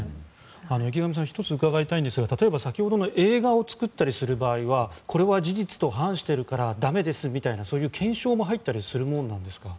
池上さん、１つ伺いたいんですが先ほどの映画を作ったりする場合はこれは事実と反しているからだめですという検証も入ったりするんですか。